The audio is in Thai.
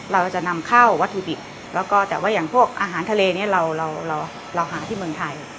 เราจะนำเข้าวัตถุดิบแล้วก็แต่ว่าอย่างพวกอาหารทะเลเนี่ยเราหาที่เมืองไทย